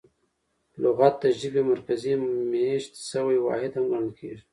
لغت د ژبي مرکزي مېشت سوی واحد هم ګڼل کیږي.